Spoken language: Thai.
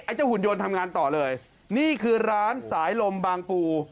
เจ้าหุ่นยนต์ทำงานต่อเลยนี่คือร้านสายลมบางปู